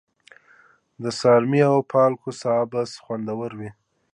د څارمي او پالکو سابه خوندور وي.